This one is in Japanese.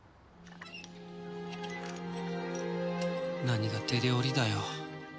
何が手料理だよ。